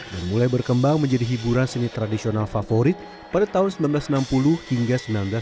dan mulai berkembang menjadi hiburan seni tradisional favorit pada tahun seribu sembilan ratus enam puluh hingga seribu sembilan ratus tujuh puluh